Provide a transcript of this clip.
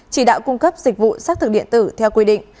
chỉ đạo cung cấp dịch vụ xác thực điện tử theo quy định